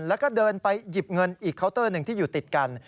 แล้วก็เดินไปหยิบเงินอีกเคาน์เตอร์หนึ่งที่อยู่ติดกัน